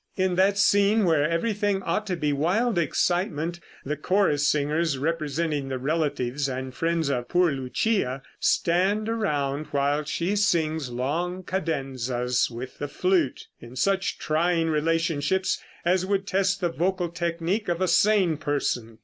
In that scene where everything ought to be wild excitement, the chorus singers, representing the relatives and friends of poor Lucia, stand around while she sings long cadenzas with the flute, in such trying relationships as would test the vocal technique of a sane person.